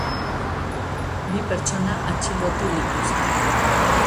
Bi pertsona atxilotu dituzte.